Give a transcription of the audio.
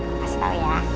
nih kasih tau ya